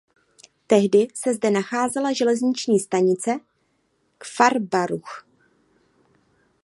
Tehdy se zde nacházela železniční stanice Kfar Baruch.